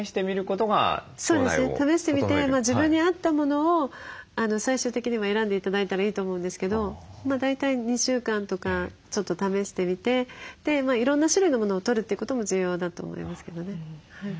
そうですね。試してみて自分に合ったものを最終的には選んで頂いたらいいと思うんですけど大体２週間とかちょっと試してみてでいろんな種類のものをとるということも重要だと思いますけどね。